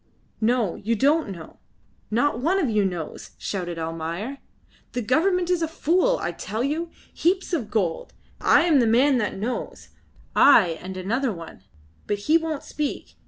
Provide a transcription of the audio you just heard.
"No! You don't know. Not one of you knows!" shouted Almayer. "The government is a fool, I tell you. Heaps of gold. I am the man that knows; I and another one. But he won't speak.